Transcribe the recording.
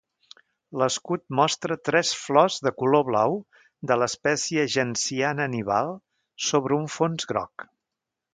L'escut mostra tres flors de color blau de l'espècie genciana nival sobre un fons groc.